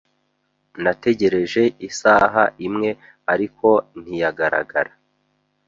Nategereje isaha imwe, ariko ntiyagaragara.